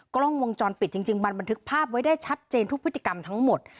กล้องวงจรปิดจริงมันบันทึกภาพไว้ได้ชัดเจนทุกพฤติกรรมทั้งหมด